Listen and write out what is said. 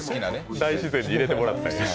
大自然に入れてもらって。